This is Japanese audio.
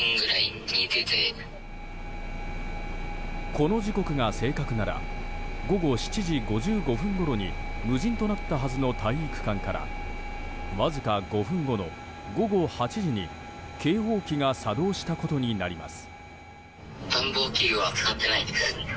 この時刻が正確なら午後７時５５分ごろに無人となったはずの体育館からわずか５分後の午後８時に警報器が作動したことになります。